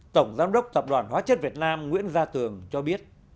tổng giám đốc tập đoàn hóa chất việt nam nguyễn gia tường cho biết